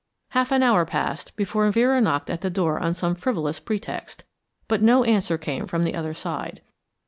Half an hour passed before Vera knocked at the door on some frivolous pretext, but no answer came from the other side.